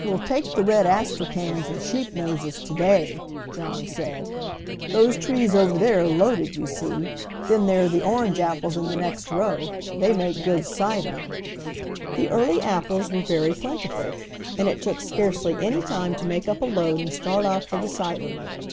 "We'll take the red astrachans and sheepnoses to day," John said. "Those trees over there are loaded, you see. Then there are the orange apples in the next row; they make good cider." The early apples were very plentiful, and it took scarcely any time to make up a load and start off for the cider mill.